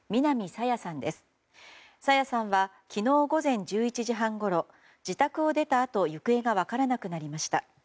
朝芽さんは昨日午前１１時半ごろ自宅を出たあと行方が分からなくなりました。